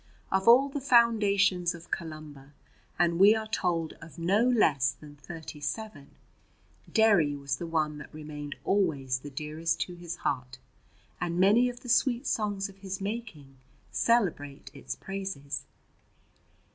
Of all the foundations of Columba, and we are told of no less than thirty seven, Derry was the one that remained always the dearest to his heart, and many of the sweet songs of his making celebrate its praises.